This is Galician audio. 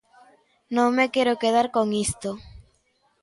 Non me quero quedar con isto.